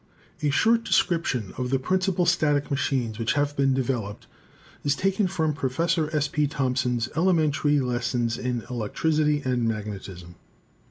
A short description of the principal static machines which have been developed is taken from Professor S. P. Thompson's 'Elementary Lessons in Electricity and Mag netism.'